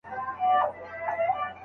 د درد يو دا شانې زنځير مې په لاسونو کې دی